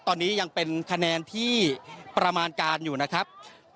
ตอนนี้ยังเป็นคะแนนที่ประมาณการอยู่นะครับ